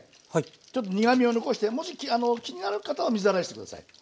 ちょっと苦みを残してもし気になる方は水洗いして下さい。